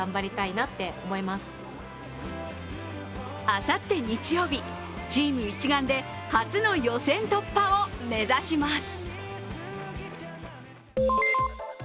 あさって日曜日、チーム一丸で初の予選突破を目指します。